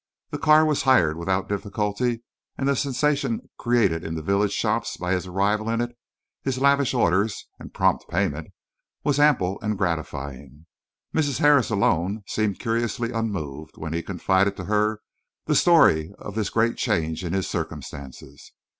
The car was hired without difficulty, and the sensation created in the village shops by his arrival in it, his lavish orders and prompt payment, was ample and gratifying. Mrs. Harris alone seemed curiously unmoved when he confided to her the story of this great change in his circumstances.